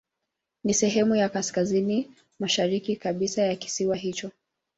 Ni sehemu ya kaskazini mashariki kabisa ya kisiwa hicho.